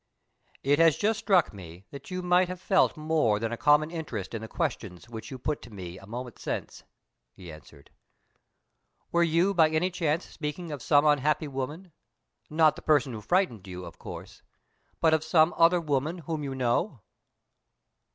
"It has just struck me that you might have felt more than a common interest in the questions which you put to me a moment since," he answered. "Were you by any chance speaking of some unhappy woman not the person who frightened you, of course but of some other woman whom you know?"